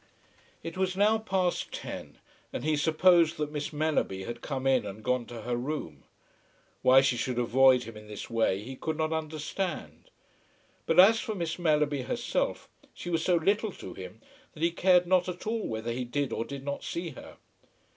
It was now past ten, and he supposed that Miss Mellerby had come in and gone to her room. Why she should avoid him in this way he could not understand. But as for Miss Mellerby herself, she was so little to him that he cared not at all whether he did or did not see her.